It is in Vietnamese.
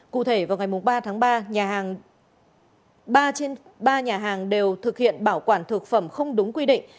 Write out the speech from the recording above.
cụ thể vào ngày ba tháng ba nhà hàng ba trên ba nhà hàng đều thực hiện bảo quản thực phẩm không đúng quy định